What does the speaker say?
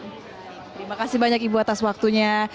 terima kasih banyak ibu atas waktunya